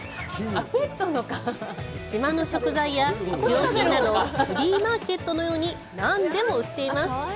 島の食材や日用品などフリーマーケットのように何でも売っています。